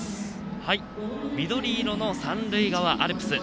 緑色の三塁側アルプス。